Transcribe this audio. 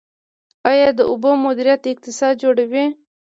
آیا د اوبو مدیریت اقتصاد جوړوي؟